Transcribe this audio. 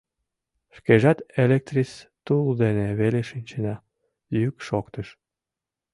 Шкежат электрис тул дене веле шинчена, — йӱк шоктыш.